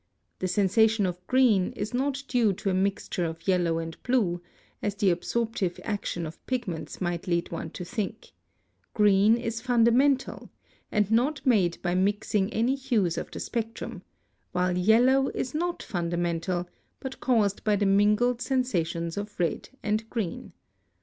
The sensation of green is not due to a mixture of yellow and blue, as the absorptive action of pigments might lead one to think: GREEN IS FUNDAMENTAL, and not made by mixing any hues of the spectrum, while YELLOW IS NOT FUNDAMENTAL, but caused by the mingled sensations of red and green.